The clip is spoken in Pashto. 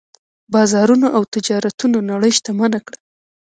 بازارونو او تجارتونو نړۍ شتمنه کړه.